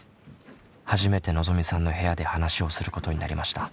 初めてのぞみさんの部屋で話をすることになりました。